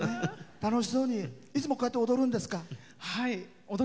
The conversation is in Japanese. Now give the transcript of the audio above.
楽しそうにいつもこうやって踊るんですか？